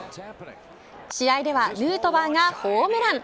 試合ではヌートバーがホームラン。